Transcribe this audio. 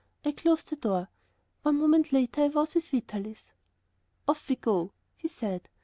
I closed the door. One moment later I was with Vitalis. "Off we go," he said.